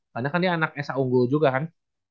karena kan dia anak sa unggul juga kan